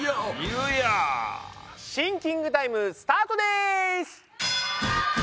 シンキングタイムスタートです！